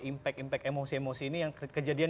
impact impact emosi emosi ini yang kejadian